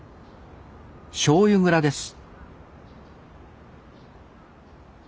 しょうゆ蔵です